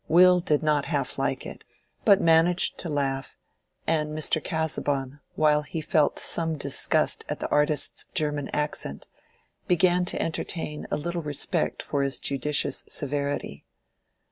Will did not half like it, but managed to laugh: and Mr. Casaubon, while he felt some disgust at the artist's German accent, began to entertain a little respect for his judicious severity.